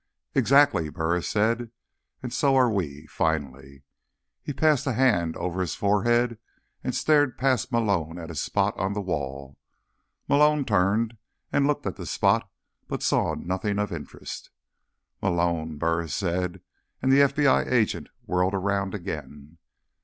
"Exactly," Burris said. "And so are we. Finally." He passed a hand over his forehead and stared past Malone at a spot on the wall. Malone turned and looked at the spot, but saw nothing of interest. "Malone," Burris said, and the FBI agent whirled around again.